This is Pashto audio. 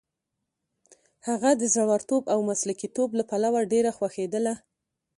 هغه د زړورتوب او مسلکیتوب له پلوه ډېره خوښېدله.